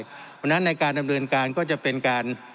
เพราะฉะนั้นในการดำเนินการก็จะเป็นการ